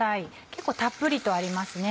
結構たっぷりとありますね。